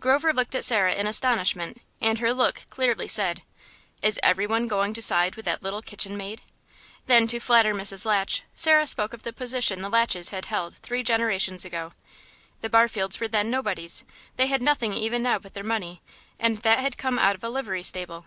Grover looked at Sarah in astonishment, and her look clearly said, "Is everyone going to side with that little kitchen maid?" Then, to flatter Mrs. Latch, Sarah spoke of the position the Latches had held three generations ago; the Barfields were then nobodies; they had nothing even now but their money, and that had come out of a livery stable.